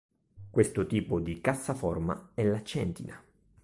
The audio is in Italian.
Questo tipo di cassaforma è la centina.